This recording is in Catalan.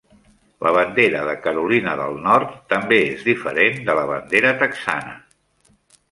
La bandera de Carolina del Nord també és diferent de la bandera texana.